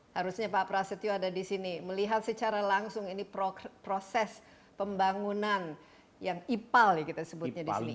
harusnya pak prasetyo ada di sini melihat secara langsung ini proses pembangunan yang ipal ya kita sebutnya di sini